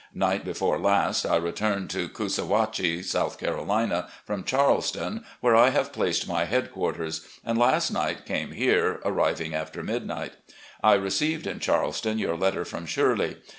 Night before last, I returned to Coosawhatchie, South Carolina, from Charleston, where I have placed my headquarters, and last night came here, arriving after midnight. I received in Charleston your letter from Shirley.